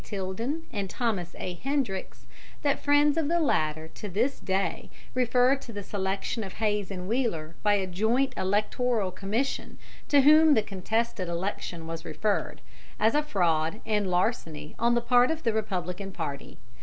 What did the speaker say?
Tilden and Thomas A. Hendricks that friends of the latter to this day refer to the selection of Hayes and Wheeler by a joint Electoral Commission to whom the contested election was referred, as a fraud and larceny on the part of the Republican party.